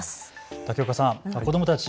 竹岡さん、子どもたち